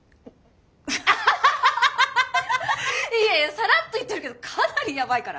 いやいやサラっと言ってるけどかなりヤバいから。